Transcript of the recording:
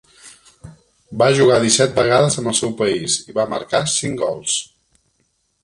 Va jugar disset vegades amb el seu país i va marcar cinc gols.